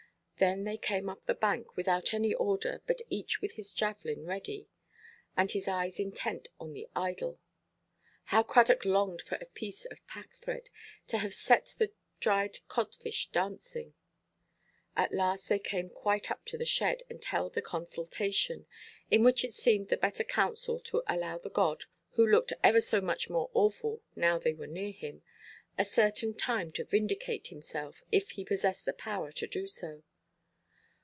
Then they came up the bank, without any order, but each with his javelin ready, and his eyes intent on the idol. How Cradock longed for a piece of packthread, to have set the dried codfish dancing! At last they came quite up to the shed, and held a consultation, in which it seemed the better counsel to allow the god, who looked ever so much more awful now they were near him, a certain time to vindicate himself, if he possessed the power to do so.